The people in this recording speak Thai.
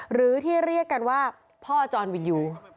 หรือที่เรียกกันว่าพ่อจรวิดยู